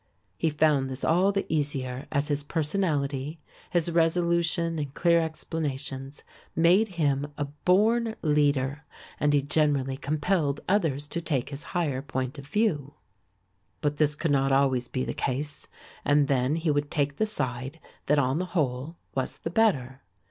He found this all the easier as his personality, his resolution and clear explanations made him a born leader and he generally compelled others to take his higher point of view. But this could not always be the case and then he would take the side that on the whole was the better.